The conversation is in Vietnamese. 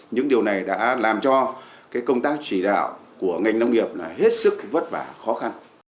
những điều này đã làm cho công tác chỉ đạo của ngành nông nghiệp là hết sức vất vả khó khăn